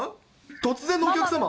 突然のお客様。